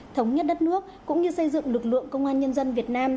thống nhất đất nước cũng như xây dựng lực lượng công an nhân dân việt nam